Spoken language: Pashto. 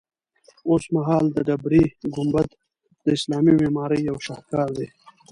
اوسمهال د ډبرې ګنبد د اسلامي معمارۍ یو شهکار دی.